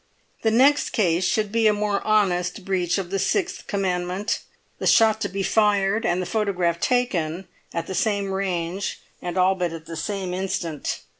The next case should be a more honest breach of the Sixth Commandment; the shot to be fired, and the photograph taken, at the same range and all but at the same instant.